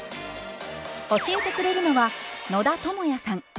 教えてくれるのは野田智也さん。